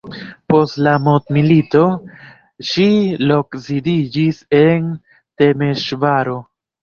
Post la mondmilito ŝi loksidiĝis en Temeŝvaro.